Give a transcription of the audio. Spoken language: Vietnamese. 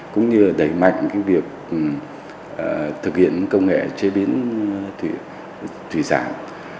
cũng như đẩy mạnh việc thực hiện công nghệ chế biến thủy sản